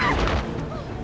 jangan burns agri